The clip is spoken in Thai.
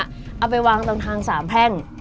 เอาไปวางตรงทางสามแพ่ง